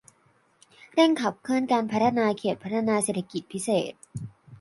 เร่งขับเคลื่อนการพัฒนาเขตพัฒนาเศรษฐกิจพิเศษ